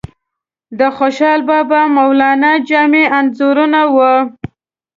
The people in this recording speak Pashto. د خوشحال بابا، مولانا جامی انځورونه وو.